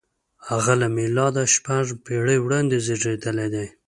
• هغه له مېلاده شپږ پېړۍ وړاندې زېږېدلی دی.